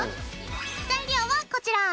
材料はこちら！